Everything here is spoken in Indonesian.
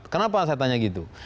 kenapa saya tanya gitu